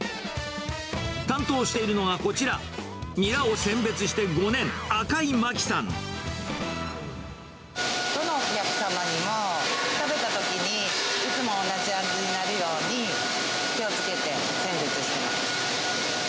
担当しているのがこちら、ニラを選別して５年、どのお客様にも、食べたときにいつも同じ味になるように、気をつけて選別してます。